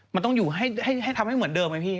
มันต้องอยู่ให้ทำให้เหมือนเดิมไหมพี่